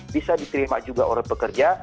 bisa diterima juga oleh pekerja